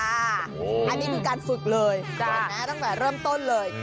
อันนี้คือการฝึกเลยเห็นไหมตั้งแต่เริ่มต้นเลย